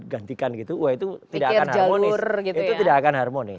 gantikan gitu wah itu tidak akan harmonis